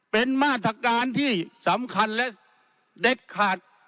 เป็นมาตรการที่สำคัญและเด็ดขาด